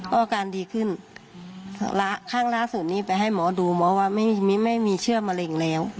ก็อาการดีขึ้นข้างล่าสุดนี้ไปให้หมอดูหมอว่าไม่มีเชื้อมะเร็งแล้ว